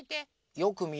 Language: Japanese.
よくみるの。